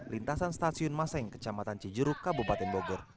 lintasan stasiun maseng kecamatan cijeruk kabupaten bogor